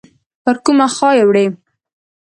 پر کومه خوا یې وړي؟